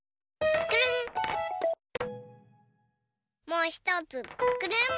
もうひとつくるん！